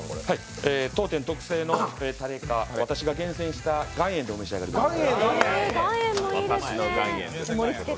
当店特製のたれか私が厳選した岩塩でお召し上がりください。